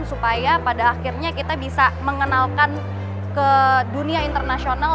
supaya pada akhirnya kita bisa mengenalkan ke dunia internasional